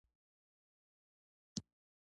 ته یی لیکه څوک یي لولﺉ